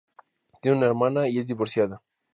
Tiene una hermana, y es divorciada.